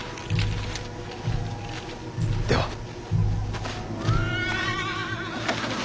では。